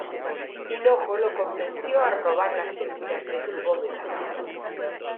Hinojo lo convenció a robar las semillas de su bóveda.